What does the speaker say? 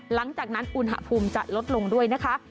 หลังจากนั้นอุณหภูมิจะลดลงด้วยนะคะ